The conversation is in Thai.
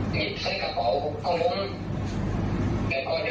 หนึ่งแท้ง๑๐บาท